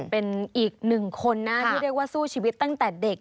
เป็นอีกหนึ่งคนนะที่เรียกว่าสู้ชีวิตตั้งแต่เด็ก